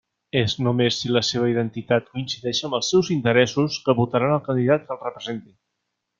És només si la seva identitat coincideix amb els seus interessos, que votaran el candidat que els representi.